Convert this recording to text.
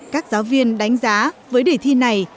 các giáo viên đánh giá với đề thi này